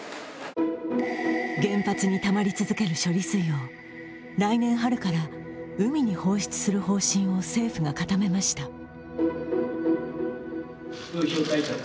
原発にたまり続ける処理水を来年春から海に放出する方針を、政府が固めました。